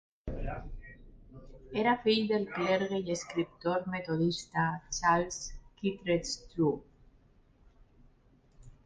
Era fill del clergue i escriptor metodista Charles Kittredge True.